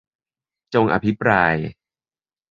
จงอภิปราย